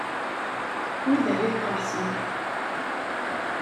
Wid ara iqqerṣen.